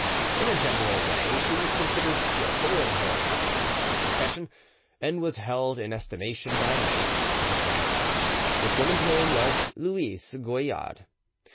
In a general way, she was considered skilful in her ostensible profession, and was held in estimation by many persons of rank. This woman's name was Louise Goillard.